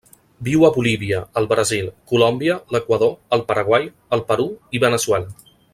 Viu a Bolívia, el Brasil, Colòmbia, l'Equador, el Paraguai, el Perú i Veneçuela.